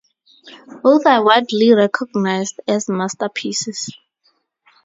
Both are widely recognized as masterpieces.